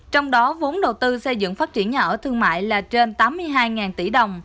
trong đó vốn đầu tư xây dựng phát triển nhà ở thương mại là trên tám mươi hai tỷ đồng